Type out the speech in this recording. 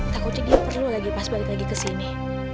takutnya dia perlu lagi pas balik lagi kesini